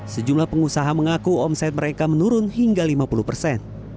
sejumlah pengusaha mengaku omset mereka menurun hingga lima puluh persen